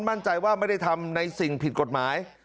มั่นใจว่าไม่ได้ทำในสิ่งผิดกฎหมาย